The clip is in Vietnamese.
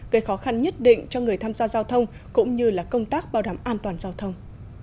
gây khó khăn nhất định cho người tham gia giao thông cũng như là công tác bảo đảm an toàn giao thông